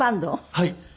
はい。